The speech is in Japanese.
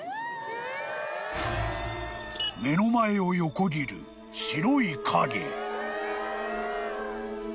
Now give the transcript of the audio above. ［目の前を横切る白い影］